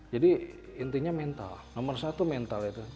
intinya mental nomor satu mental itu